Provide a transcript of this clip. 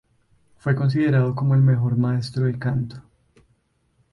Fue considerado como el mejor maestro de canto.